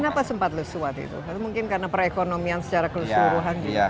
kenapa sempat lesu waktu itu atau mungkin karena perekonomian secara keseluruhan juga